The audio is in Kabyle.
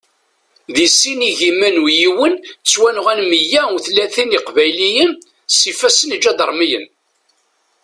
Di sin igiman u yiwen ttwanɣan meyya utlatin iqbayliyen s ifassen iǧadarmiyen.